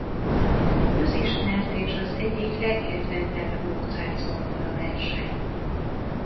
Közismert és az egyik legkedveltebb Mozart zongoraverseny.